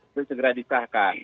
itu segera disahkan